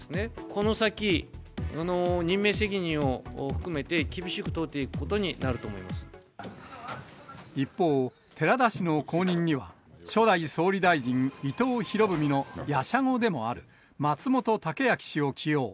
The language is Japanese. この先、任命責任を含めて厳しく一方、寺田氏の後任には、初代総理大臣伊藤博文のやしゃごでもある松本剛明氏を起用。